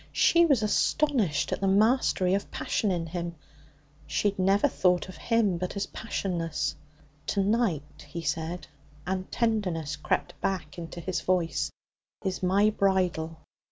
She was astonished at the mastery of passion in him. She had never thought of him but as passionless. 'To night,' he said, and tenderness crept back into his voice, 'is my bridal.